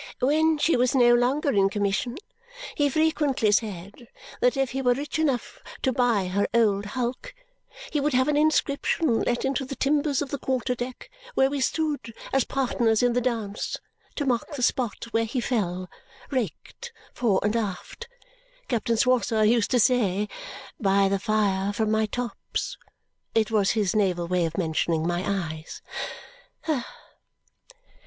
When she was no longer in commission, he frequently said that if he were rich enough to buy her old hulk, he would have an inscription let into the timbers of the quarter deck where we stood as partners in the dance to mark the spot where he fell raked fore and aft (Captain Swosser used to say) by the fire from my tops. It was his naval way of mentioning my eyes."